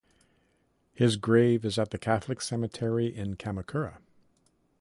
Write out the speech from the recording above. His grave is at the Catholic Cemetery in Kamakura.